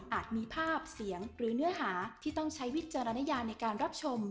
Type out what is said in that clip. มีภาพเสียงหรือเนื้อหาที่ต้องใช้วิจารณญาในการรับชม